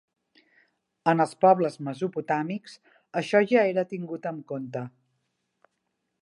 En els pobles mesopotàmics, això ja era tingut en compte.